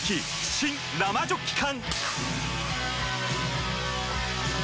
新・生ジョッキ缶！